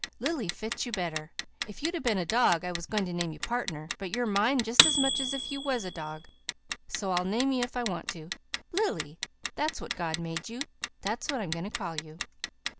Lily fits you better. If you'd been a dog, I was going to name you Partner. But you're mine just as much as if you was a dog, so I'll name you if I want to. Lily! That's what God made you; that's what I'm going to call you."